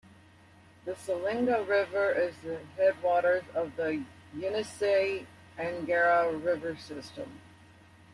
The Selenga River is the headwaters of the Yenisei-Angara River system.